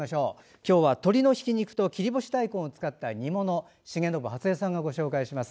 今日は鶏のひき肉と切り干し大根を使った煮物を重信初江さんがご紹介します。